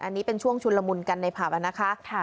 อันนี้เป็นช่วงฉุนละมุนกันในภาพอะนะคะค่ะ